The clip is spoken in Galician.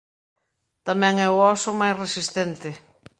Tamén é o óso máis resistente.